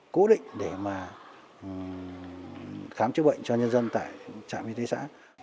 cố định để mà khám chữa bệnh cho nhân dân tại trạm y tế xã